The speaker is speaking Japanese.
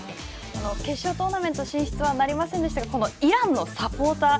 決勝トーナメント進出はなりませんでしたがイランのサポーター